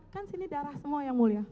kan sini darah semua yang mulia